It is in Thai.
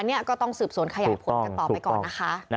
นี่ก็ต้องสืบสวนขยายผลกันต่อไปก่อนนะคะ